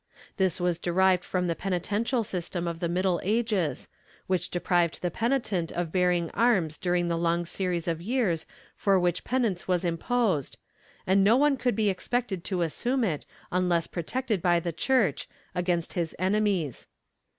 This was derived from the penitential system of the Middle Ages, which deprived the penitent of bearing arms during the long series of years for which penance was imposed, and no one could be ex pected to assume it unless protected by the Church against his enemies.